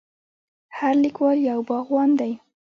هر لیکوال یو باغوان دی.